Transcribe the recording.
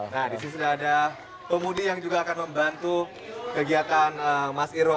nah disini sudah ada pemudi yang juga akan membantu kegiatan mas iro